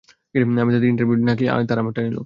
আমি তাদের ইন্টারভিউ নিলাম, না-কি তারা আমারটা নিলো?